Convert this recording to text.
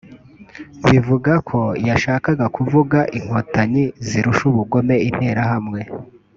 Bivuga ko yashakaga kuvuga inkotanyi zirusha ubugome interahamwe